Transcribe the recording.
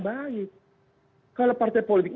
baik kalau partai politik